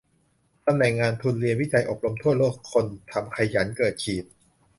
ตำแหน่งงาน ทุนเรียน วิจัย อบรม ทั่วโลก คนทำขยันเกิดขีด